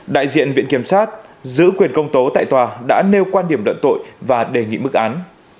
đại diện viện kiểm sát giữ quyền công tố tại tòa đã nêu quan điểm luận tội và đề nghị mức án